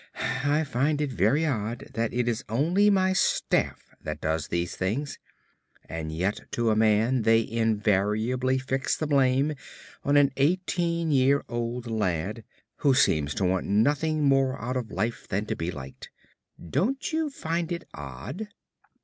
I find it very odd that it is only my staff that does these things and yet to a man they invariably fix the blame on an eighteen year old lad who seems to want nothing more out of life than to be liked. Don't you find it odd?"